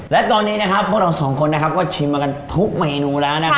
และตอนนี้นะครับพวกเราสองคนนะครับก็ชิมมากันทุกเมนูแล้วนะครับ